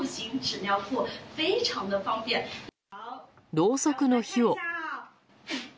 ろうそくの火を。